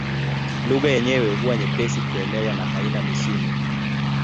Lugha yenyewe huwa nyepesi kuelewa na haina misimu.